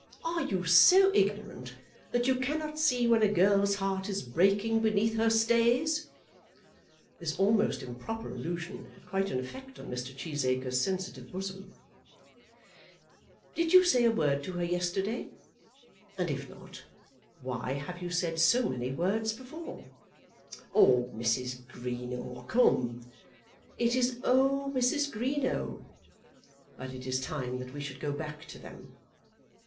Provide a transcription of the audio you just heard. Are you so ignorant that you cannot see when a girl's heart is breaking beneath her stays?" This almost improper allusion had quite an effect on Mr. Cheesacre's sensitive bosom. "Did you say a word to her yesterday? And if not, why have you said so many words before?" "Oh, Mrs. Greenow; come!" "It is, oh, Mrs. Greenow. But it is time that we should go back to them."